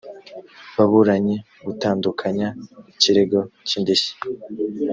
baburanyi gutandukanya ikirego cy indishyi